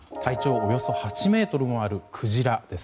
およそ８ｍもあるクジラです。